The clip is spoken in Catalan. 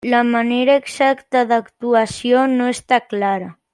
La manera exacta d'actuació no està clara.